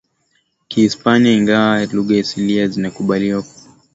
Kihispania ingawa lugha asilia zinakubalika kwa